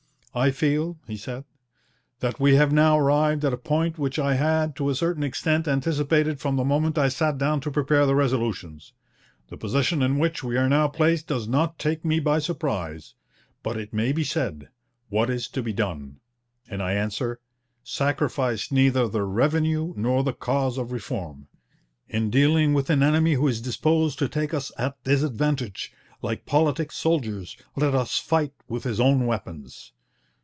'I feel,' he said, 'that we have now arrived at a point which I had to a certain extent anticipated from the moment I sat down to prepare the resolutions ... the position in which we are now placed does not take me by surprise. ... But it may be said, What is to be done? And I answer, Sacrifice neither the revenue nor the cause of reform. In dealing with an enemy who is disposed to take us at disadvantage, like politic soldiers, let us fight with his own weapons.